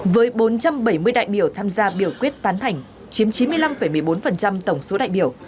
với bốn trăm bảy mươi đại biểu tham gia biểu quyết tán thành chiếm chín mươi năm một mươi bốn tổng số đại biểu